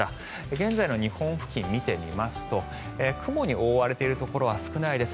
現在の日本付近を見てみますと雲に覆われているところは少ないです。